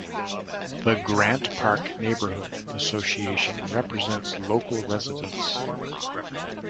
The Grant Park Neighborhood Association represents local residents.